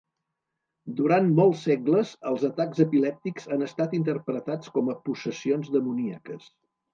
Durant molts segles els atacs epilèptics han estat interpretats com a possessions demoníaques.